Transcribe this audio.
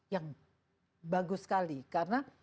yang bagus sekali karena